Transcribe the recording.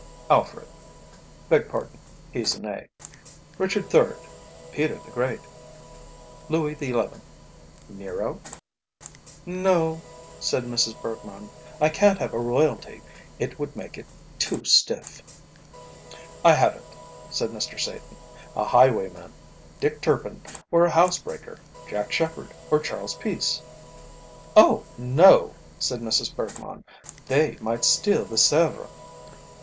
Alfred; beg pardon, he's an A. Richard III., Peter the Great, Louis XI., Nero?" "No," said Mrs. Bergmann. "I can't have a Royalty. It would make it too stiff." "I have it," said Mr. Satan, "a highwayman: Dick Turpin; or a housebreaker: Jack Sheppard or Charles Peace?" "Oh! no," said Mrs. Bergmann, "they might steal the Sevres."